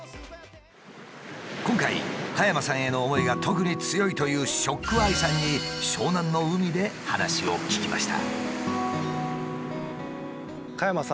今回加山さんへの思いが特に強いというＳＨＯＣＫＥＹＥさんに湘南の海で話を聞きました。